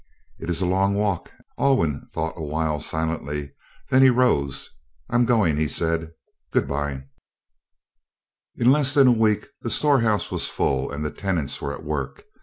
"It is a long walk." Alwyn thought a while, silently. Then he rose. "I'm going," he said. "Good bye." In less than a week the storehouse was full, and tenants were at work.